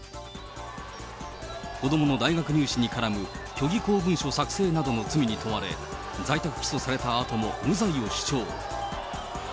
子どもの大学入試に絡む虚偽公文書作成などの罪に問われ、在宅起訴されたあとも無罪を主張。